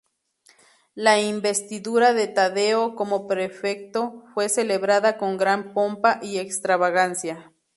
La investidura de Taddeo como Prefecto fue celebrada con gran pompa y extravagancia.